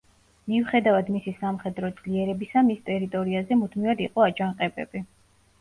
მიუხედავად მისი სამხედრო ძლიერებისა მის ტერიტორიაზე მუდმივად იყო აჯანყებები.